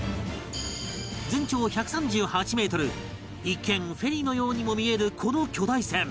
一見フェリーのようにも見えるこの巨大船